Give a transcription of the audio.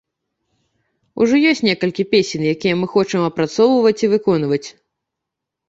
Ужо ёсць некалькі песень, якія мы хочам апрацоўваць і выконваць.